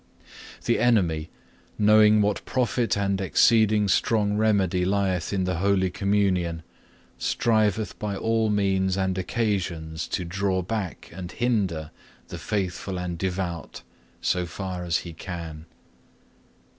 The enemy, knowing what profit and exceeding strong remedy lieth in the Holy Communion, striveth by all means and occasions to draw back and hinder the faithful and devout, so far as he can.